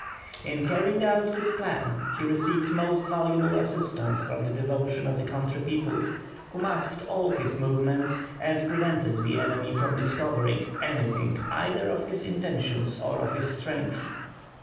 In carrying out this plan he received most valuable assistance from the devotion of the country people, who masked all his movements and prevented the enemy from discovering anything either of his intentions or of his strength.